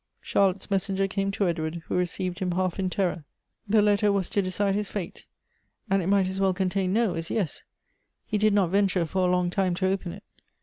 Charlotte's messenger came to Edward, who received him half in terror. The letter was to decide his fate, and it might as well contain No as Yes. He did not venture, for a long time, to open it.